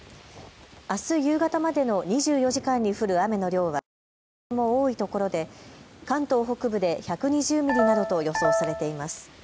あす夕方までの２４時間に降る雨の量はいずれも多いところで関東北部で１２０ミリなどと予想されています。